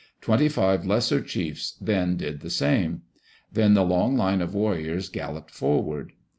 Twenty five lesser chiefs then did the same. Then the long line of warriors galloped forward.